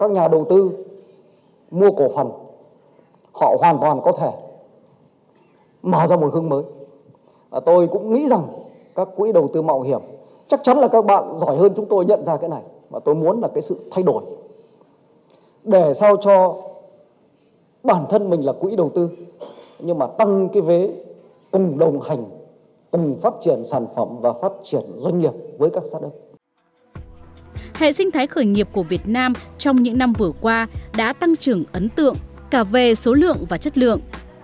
nếu không có các quỹ đầu tư phát triển song song